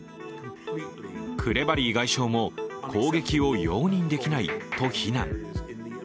クレバリー外相も攻撃を容認できないと非難。